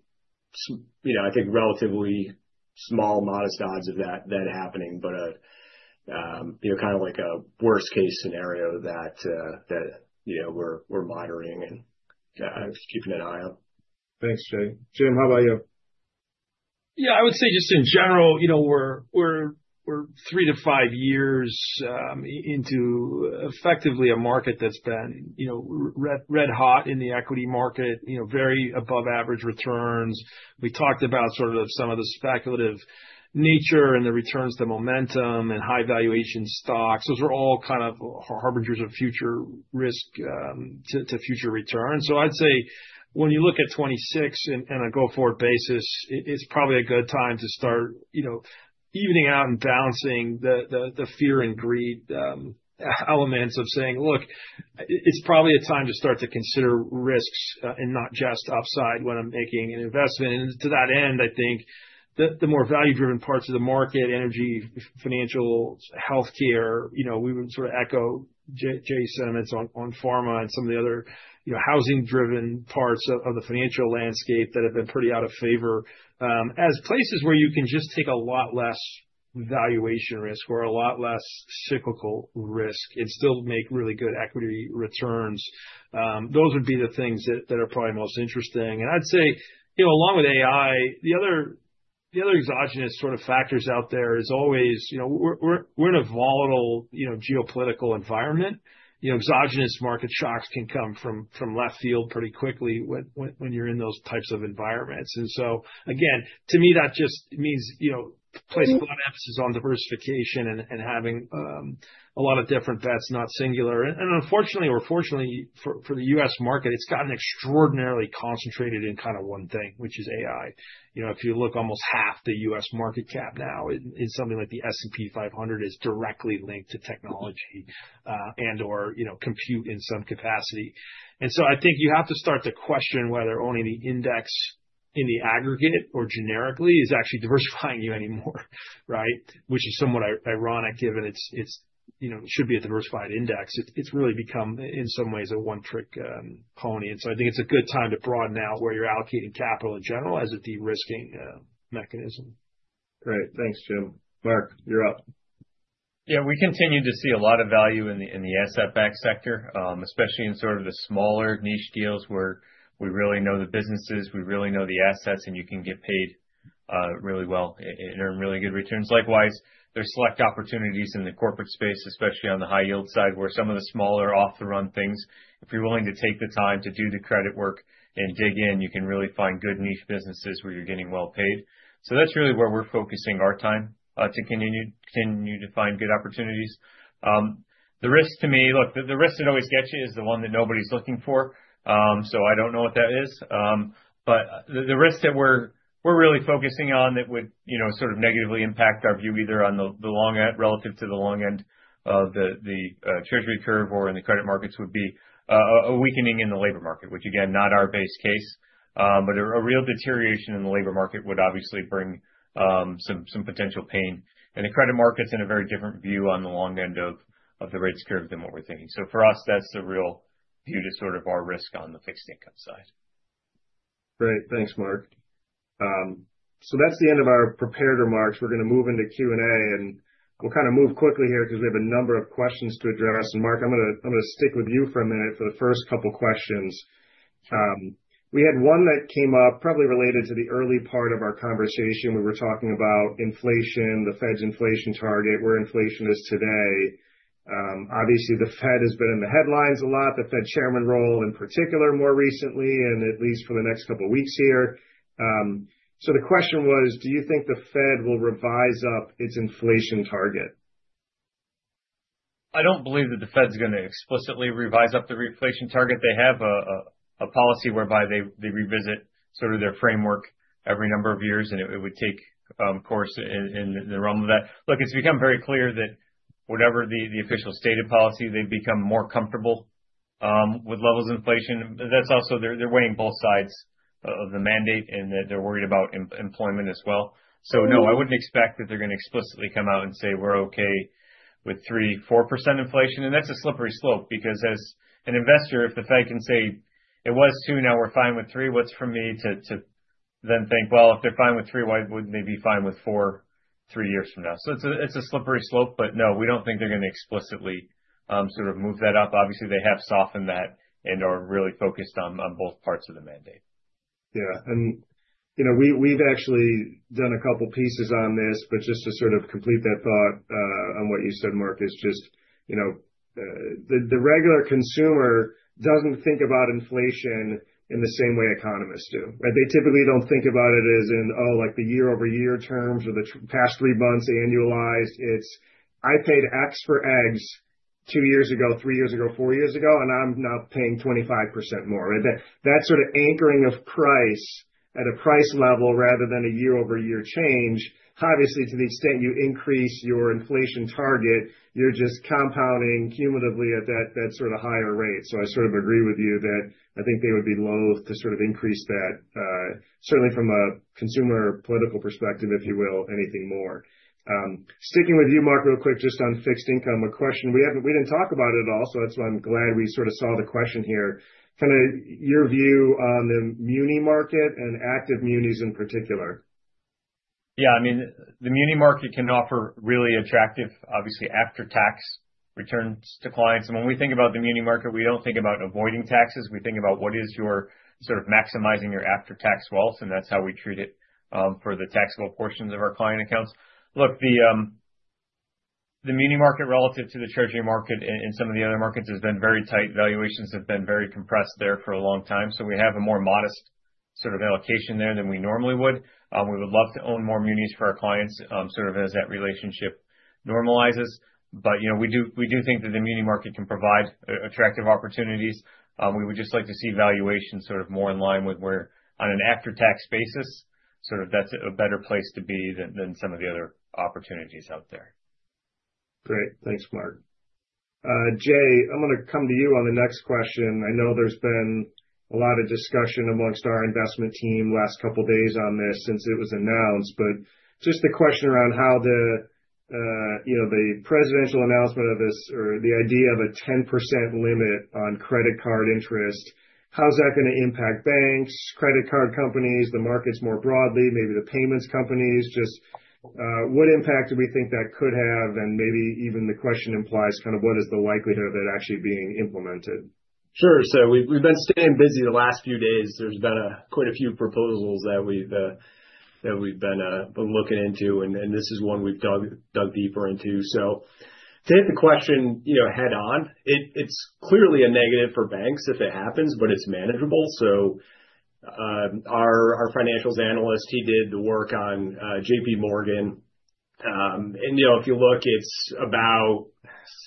You know, I think relatively small, modest odds of that happening, but, you know, kind of like a worst-case scenario that, you know, we're monitoring and keeping an eye on. Thanks, Jay. Jim, how about you? Yeah. I would say just in general, you know, we're three to five years into effectively a market that's been, you know, red-hot in the equity market, you know, very above-average returns. We talked about sort of some of the speculative nature and the returns to momentum and high-valuation stocks. Those are all kind of harbingers of future risk to future returns. I'd say when you look at 2026 and a go-forward basis, it's probably a good time to start, you know, evening out and balancing the fear and greed elements of saying, "Look, it's probably a time to start to consider risks and not just upside when I'm making an investment." To that end, I think the more value-driven parts of the market, energy, financial, healthcare, you know, we would sort of echo Jay's sentiments on pharma and some of the other, you know, housing-driven parts of the financial landscape that have been pretty out of favor as places where you can just take a lot less valuation risk or a lot less cyclical risk and still make really good equity returns. Those would be the things that are probably most interesting. And I'd say, you know, along with AI, the other exogenous sort of factors out there is always, you know, we're in a volatile, you know, geopolitical environment. You know, exogenous market shocks can come from left field pretty quickly when you're in those types of environments. And so, again, to me, that just means, you know, placing a lot of emphasis on diversification and having a lot of different bets, not singular. And unfortunately or fortunately for the U.S. market, it's gotten extraordinarily concentrated in kind of one thing, which is AI. You know, if you look, almost half the U.S. market cap now, something like the S&P 500, is directly linked to technology and/or, you know, compute in some capacity. And so I think you have to start to question whether owning the index in the aggregate or generically is actually diversifying you anymore, right? Which is somewhat ironic given it's, you know, it should be a diversified index. It's really become in some ways a one-trick pony. And so I think it's a good time to broaden out where you're allocating capital in general as a de-risking mechanism. Great. Thanks, Jim. Marc you're up. Yeah. We continue to see a lot of value in the asset-backed sector, especially in sort of the smaller niche deals where we really know the businesses, we really know the assets, and you can get paid really well and earn really good returns. Likewise, there's select opportunities in the corporate space, especially on the high-yield side where some of the smaller off-the-run things, if you're willing to take the time to do the credit work and dig in, you can really find good niche businesses where you're getting well paid. So that's really where we're focusing our time to continue to find good opportunities. The risk to me, look, the risk that always gets you is the one that nobody's looking for. So I don't know what that is. But the risks that we're really focusing on that would, you know, sort of negatively impact our view either on the long end relative to the long end of the Treasury curve or in the credit markets would be a weakening in the labor market, which again, not our base case, but a real deterioration in the labor market would obviously bring some potential pain. And the credit market's in a very different view on the long end of the rates curve than what we're thinking. So for us, that's the real view to sort of our risk on the fixed income side. Great. Thanks, Marc. So that's the end of our prepared remarks. We're going to move into Q&A, and we'll kind of move quickly here because we have a number of questions to address. And Marc I'm going to stick with you for a minute for the first couple of questions. We had one that came up probably related to the early part of our conversation. We were talking about inflation, the Fed's inflation target, where inflation is today. Obviously, the Fed has been in the headlines a lot, the Fed Chairman role in particular more recently, and at least for the next couple of weeks here. So the question was, do you think the Fed will revise up its inflation target? I don't believe that the Fed's going to explicitly revise up the inflation target. They have a policy whereby they revisit sort of their framework every number of years, and it would take course in the realm of that. Look, it's become very clear that whatever the official stated policy, they become more comfortable with levels of inflation. That's also they're weighing both sides of the mandate and that they're worried about employment as well. So no, I wouldn't expect that they're going to explicitly come out and say, "We're okay with 3%-4% inflation." And that's a slippery slope because as an investor, if the Fed can say, "It was 2%, now we're fine with 3%," what's for me to then think, "Well, if they're fine with 3%, why wouldn't they be fine with 4% three years from now?" So it's a slippery slope, but no, we don't think they're going to explicitly sort of move that up. Obviously, they have softened that and are really focused on both parts of the mandate. Yeah, and you know, we've actually done a couple of pieces on this, but just to sort of complete that thought on what you said, Marc is just, you know, the regular consumer doesn't think about inflation in the same way economists do, right? They typically don't think about it as in, "Oh, like the year-over-year terms or the past three months annualized." It's, "I paid X for eggs two years ago, three years ago, four years ago, and I'm now paying 25% more." That sort of anchoring of price at a price level rather than a year-over-year change, obviously to the extent you increase your inflation target, you're just compounding cumulatively at that sort of higher rate. So I sort of agree with you that I think they would be low to sort of increase that, certainly from a consumer political perspective, if you will, anything more. Sticking with you, Marc real quick, just on fixed income, a question. We didn't talk about it at all, so that's why I'm glad we sort of saw the question here. Kind of your view on the muni market and active munis in particular. Yeah. I mean, the muni market can offer really attractive, obviously, after-tax returns to clients, and when we think about the muni market, we don't think about avoiding taxes. We think about what is your sort of maximizing your after-tax wealth, and that's how we treat it for the taxable portions of our client accounts. Look, the muni market relative to the Treasury market and some of the other markets has been very tight. Valuations have been very compressed there for a long time, so we have a more modest sort of allocation there than we normally would. We would love to own more munis for our clients sort of as that relationship normalizes, but, you know, we do think that the muni market can provide attractive opportunities. We would just like to see valuations sort of more in line with where, on an after-tax basis, sort of that's a better place to be than some of the other opportunities out there. Great. Thanks, Marc. Jay, I'm going to come to you on the next question. I know there's been a lot of discussion among our investment team last couple of days on this since it was announced, but just the question around how the, you know, the presidential announcement of this or the idea of a 10% limit on credit card interest, how's that going to impact banks, credit card companies, the markets more broadly, maybe the payments companies? Just what impact do we think that could have? And maybe even the question implies kind of what is the likelihood of that actually being implemented? Sure. So we've been staying busy the last few days. There's been quite a few proposals that we've been looking into, and this is one we've dug deeper into. So to hit the question, you know, head-on, it's clearly a negative for banks if it happens, but it's manageable. So our financials analyst, he did the work on JPMorgan. And, you know, if you look, it's about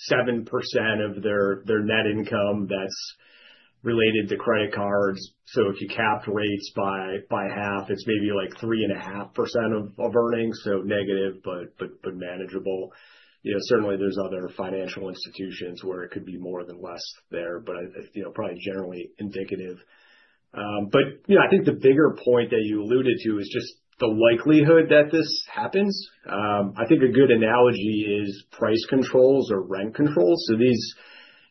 7% of their net income that's related to credit cards. So if you capped rates by half, it's maybe like 3.5% of earnings. So negative, but manageable. You know, certainly there's other financial institutions where it could be more than less there, but you know, probably generally indicative. But, you know, I think the bigger point that you alluded to is just the likelihood that this happens. I think a good analogy is price controls or rent controls. So these,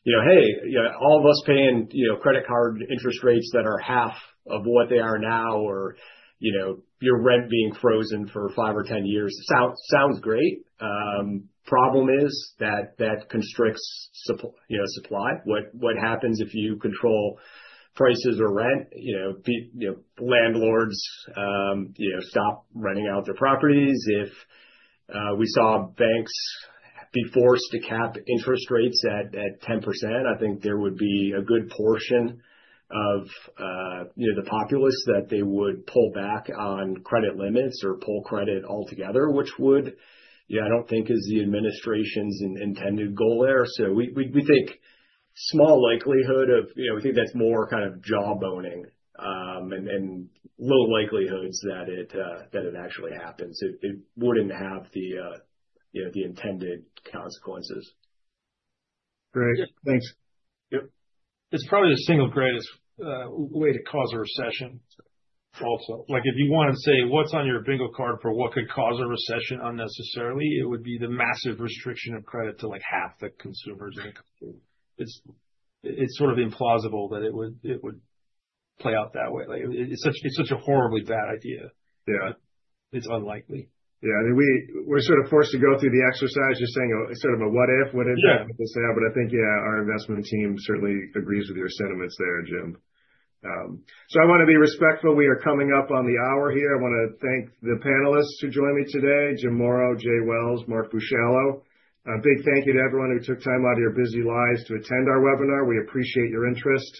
you know, hey, you know, all of us paying, you know, credit card interest rates that are half of what they are now or, you know, your rent being frozen for five or 10 years sounds great. Problem is that that constricts, you know, supply. What happens if you control prices or rent? You know, landlords, you know, stop renting out their properties. If we saw banks be forced to cap interest rates at 10%, I think there would be a good portion of, you know, the populace that they would pull back on credit limits or pull credit altogether, which would, you know, I don't think is the administration's intended goal there. So we think small likelihood of, you know, we think that's more kind of jawboning and low likelihoods that it actually happens. It wouldn't have the, you know, the intended consequences. Great. Thanks. Yep. It's probably the single greatest way to cause a recession also. Like if you want to say what's on your bingo card for what could cause a recession unnecessarily, it would be the massive restriction of credit to like half the consumers in the country. It's sort of implausible that it would play out that way. It's such a horribly bad idea. Yeah. It's unlikely. Yeah. I mean, we're sort of forced to go through the exercise just saying sort of a what if, what if, what if, what if, what if. But I think, yeah, our investment team certainly agrees with your sentiments there, Jim. So I want to be respectful. We are coming up on the hour here. I want to thank the panelists who joined me today: Jim Morrow, Jay Welles, Marc Bushallow. A big thank you to everyone who took time out of your busy lives to attend our webinar. We appreciate your interest.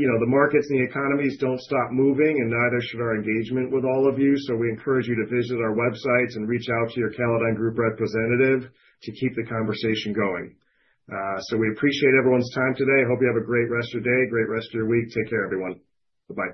You know, the markets and the economies don't stop moving, and neither should our engagement with all of you. So we encourage you to visit our websites and reach out to your Callodine Group representative to keep the conversation going. So we appreciate everyone's time today. Hope you have a great rest of your day, great rest of your week. Take care, everyone. Bye-bye.